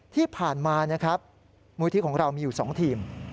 ที่ผ่านมามูลยธีปของเรามีอยู่๒ทีม